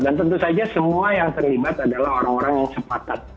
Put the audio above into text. dan tentu saja semua yang terlibat adalah orang orang yang sepatat